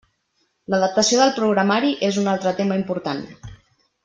L'adaptació del programari és un altre tema important.